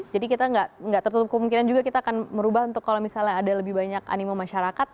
jadi kita nggak tertutup kemungkinan juga kita akan merubah untuk kalau misalnya ada lebih banyak animo masyarakat